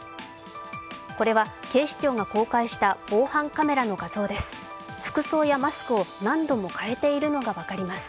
これは、警視庁が公開した防犯カメラの画像です。